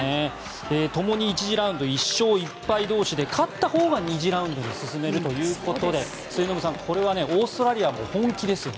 ともに１次ラウンド１勝１敗同士で勝ったほうが２次ラウンドに進めるということで末延さん、これはオーストラリアも本気ですよ。